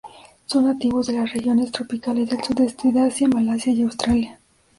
Son nativos de las regiones tropicales del sudeste de Asia, Malasia y Australia.